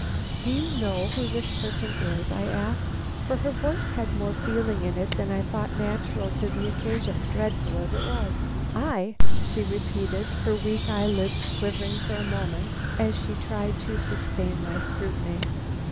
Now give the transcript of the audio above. "Do you know who this person is?" I asked, for her voice had more feeling in it than I thought natural to the occasion, dreadful as it was. "I?" she repeated, her weak eyelids quivering for a moment as she tried to sustain my scrutiny.